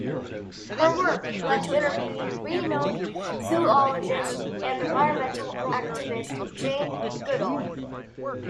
Her work led to interviewing renowned zoologist and environmental activist Jane Goodall.